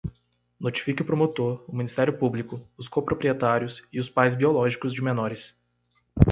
Notifique o promotor, o Ministério Público, os coproprietários e os pais biológicos de menores.